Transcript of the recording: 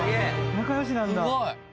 仲良しなんだ。